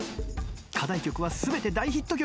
課題曲は全て大ヒット曲です。